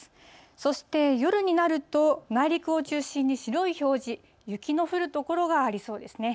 そして夜になると、内陸を中心に白い表示、雪の降る所がありそうですね。